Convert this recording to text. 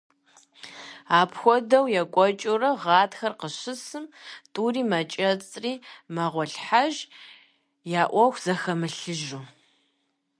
Апхуэдэу екӀуэкӀыурэ, гъатхэр къыщысым, тӀури мэкӀэцӀри мэгъуэлъхьэж, я Ӏуэху зэхэмылъыжу.